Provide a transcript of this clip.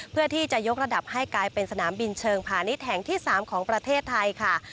เพื่อที่จะยกระดับให้กลายเป็นสนามบินเชิงพาณิชย์แห่งที่๓ของประเทศไทยค่ะ